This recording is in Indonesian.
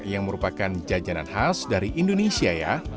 yang merupakan jajanan khas dari indonesia ya